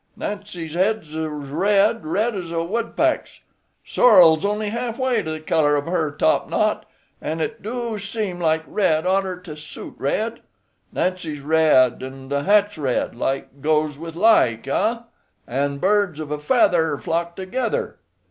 Nancy's head's red, red as a woodpeck's. Sorrel's only half way to the color of her top knot, an' it do seem like red oughter to soot red. Nancy's red an' the hat's red; like goes with like, an' birds of a feather flock together."